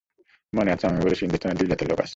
মনে আছে আমি বলেছি হিন্দুস্তানে দুই জাতের লোক আছে।